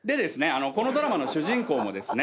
このドラマの主人公もですね